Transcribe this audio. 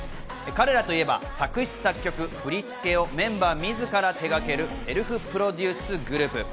彼らといえば作詞・作曲・振り付けをメンバー自ら手がけるセルフプロデュースグループ。